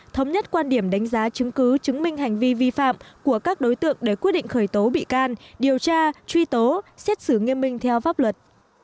thống nhất quan điểm đánh giá chứng cứ chứng minh hành vi vi phạm của các đối tượng để quyết định khởi tố bị can điều tra truy tố xét xử nghiêm minh theo pháp luật